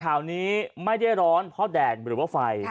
ข่าวนี้ไม่ได้ร้อนเพราะแดดหรือว่าไฟ